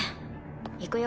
行くよ。